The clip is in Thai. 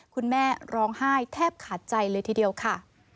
คุณแม่ร้องไห้แทบขาดใจเลยทีเดียวค่ะ